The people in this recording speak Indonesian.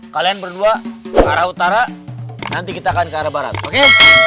kalian berdua ke arah utara nanti kita akan ke arah barat oke